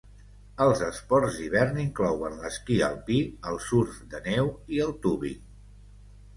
Els esports d'hivern inclouen l'esquí alpí, el surf de neu i el tubing.